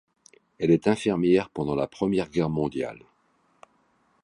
Elle est infirmière pendant la Première Guerre mondiale.